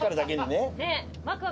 ねえ。